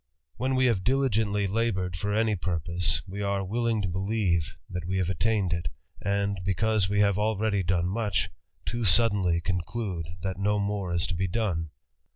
When we have diligently laboured for purpose, we are willing to believe that we have attaine and, because we have already done much, too sudd conclude that no more is to be done.